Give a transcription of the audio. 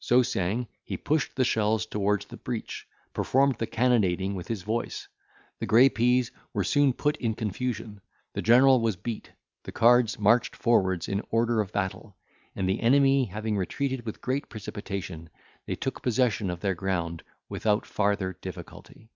So saying, he pushed the shells towards the breach, performed the cannonading with his voice, the grey peas were soon put in confusion, the general was beat, the cards marched forwards in order of battle, and the enemy having retreated with great precipitation, they took possession of their ground without farther difficulty.